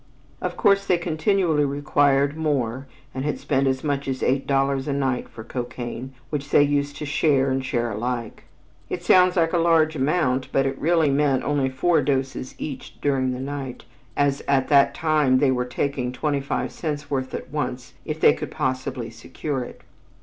Of course they continually required more, and had spent as much as eight dollars a night for cocaine, which they used to "share and share alike." It sounds like a large amount, but it really meant only four doses each during the night, as at that time they were taking twenty five cents' worth at once if they could possibly secure it.